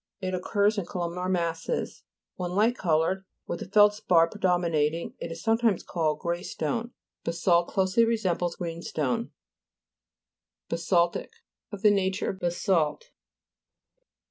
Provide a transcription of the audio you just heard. It occurs in columnar masses. When light co loured, with the feldspar predomi nating, it is sometimes called grey stone. Basalt closely resembles greenstone. 214 GLOSSARY. GEOLOGY. BASA'LTIC Of the nature of ba salt.